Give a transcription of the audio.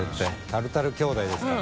タルタル兄弟ですから。